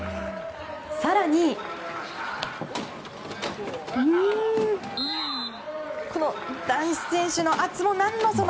更に、男子選手の圧も何のその！